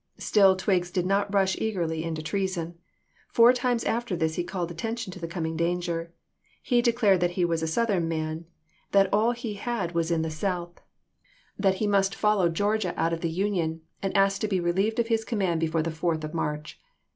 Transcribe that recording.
Still Twiggs did not rush eagerly into treason. Four times after this he called attention to the coming danger. He de clared that he was a Southern man ; that all he had was in the South ; that he must follow Geor TEXAS 181 gia out of the Union ; and asked to be relieved of chap. ix. his command before the 4th of March.